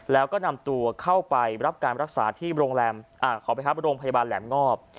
แล้วก็นำตัวเข้าไปรับการรักษาที่โรงพยาบาลแหลมงอบ